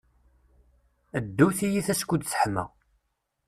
Ddu tiyita skud teḥma.